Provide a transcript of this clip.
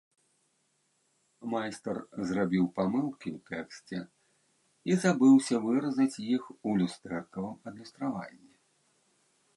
Майстар зрабіў памылкі ў тэксце і забыўся выразаць іх у люстэркавым адлюстраванні.